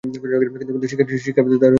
কিন্তু শিক্ষার প্রতি তার গভীর অনুরাগ ছিল।